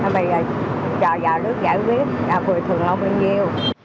bây giờ chờ nhà nước giải quyết là bồi thường bao nhiêu